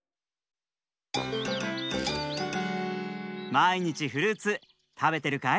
まいにちフルーツたべてるかい？